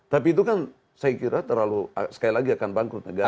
tapi itu kan saya kira terlalu sekali lagi akan bangkrut negara